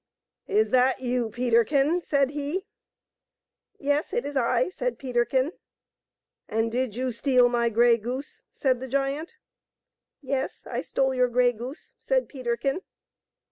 " Is that you, Peterkin?*' said he. "Yes; it is I, said Peterkin. " And did you steal my grey goose ? said the giant. " Yes ; I stole your grey goose, said Peterkin.